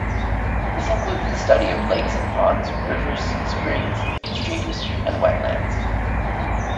This includes the study of lakes and ponds, rivers, springs, streams and wetlands.